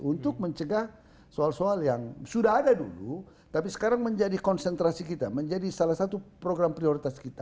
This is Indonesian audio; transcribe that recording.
untuk mencegah soal soal yang sudah ada dulu tapi sekarang menjadi konsentrasi kita menjadi salah satu program prioritas kita